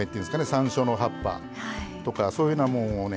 さんしょうの葉っぱとかそういうふうなもんをね